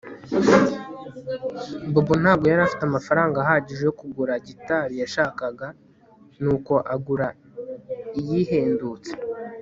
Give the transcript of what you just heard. Bobo ntabwo yari afite amafaranga ahagije yo kugura gitari yashakaga nuko agura iyihendutse